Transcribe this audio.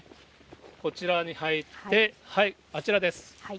こちらに入って、あちらです。